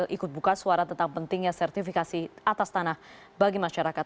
ikut buka suara tentang pentingnya sertifikasi atas tanah bagi masyarakat